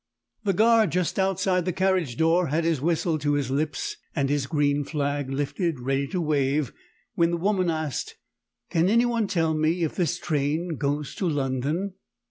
The guard just outside the carriage door had his whistle to his lips, and his green flag lifted ready to wave, when the woman asked "Can anyone tell me if this train goes to London?"